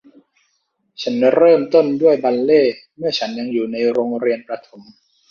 ฉันเริ่มต้นด้วยบัลเล่ต์เมื่อฉันยังอยู่ในโรงเรียนประถม